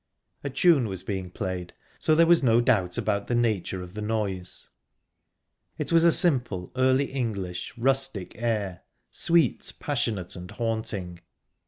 A tune was being played, so there was no doubt about the nature of the noise. It was a simple, early English rustic air sweet, passionate and haunting.